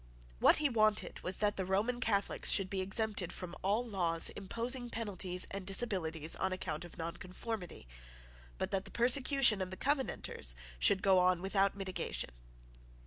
What he wanted was that the Roman Catholics should be exempted from all laws imposing penalties and disabilities on account of nonconformity, but that the persecution of the Covenanters should go on without mitigation.